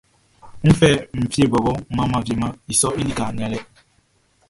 N fɛ, mi fieʼn bɔbɔʼn, mʼan wiemɛn i sɔʼn i lika nianlɛ.